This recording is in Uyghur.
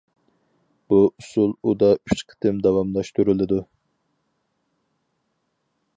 بۇ ئۇسۇل ئۇدا ئۈچ قېتىم داۋاملاشتۇرۇلىدۇ.